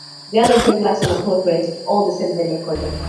The others being Gladstone and Port Pirie, all on the same railway corridor.